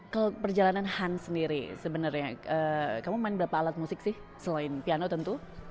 kalau perjalanan han sendiri sebenarnya kamu main berapa alat musik sih selain piano tentu